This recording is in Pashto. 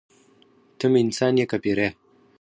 ته مې انسان یې که پیری.